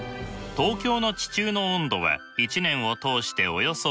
東京の地中の温度は一年を通しておよそ１７℃。